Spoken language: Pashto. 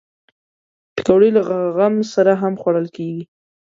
پکورې له غم سره هم خوړل کېږي